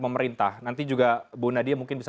pemerintah nanti juga bu nadia mungkin bisa